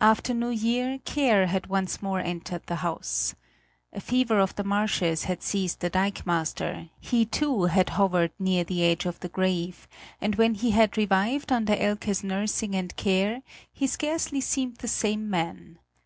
After New Year care had once more entered the house. A fever of the marshes had seized the dikemaster; he too had hovered near the edge of the grave, and when he had revived under Elke's nursing and care, he scarcely seemed the same man.